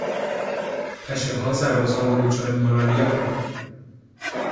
پشهها سربازان را دچار مالاریا کردند.